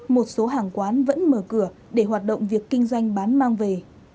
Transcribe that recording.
một số hàng quán vẫn mở cửa để hoạt động việc kinh doanh bán mang về